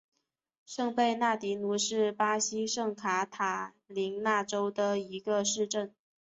圣贝纳迪努是巴西圣卡塔琳娜州的一个市镇。